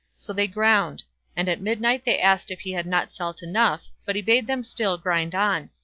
So they ground; and at midnight they asked if he had not salt enough, but he bade them still grind on.